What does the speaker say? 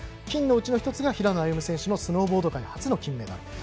金のうちの１つが平野歩夢選手のスノーボード界初の金メダル。